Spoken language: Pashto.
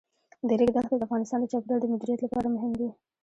د ریګ دښتې د افغانستان د چاپیریال د مدیریت لپاره مهم دي.